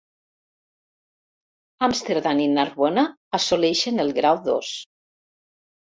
Amsterdam i Narbona assoleixen el grau dos.